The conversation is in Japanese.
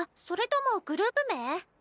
それともグループ名？